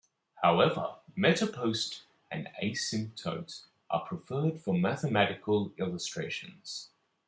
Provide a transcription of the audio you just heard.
However, MetaPost and Asymptote are preferred for mathematical illustrations.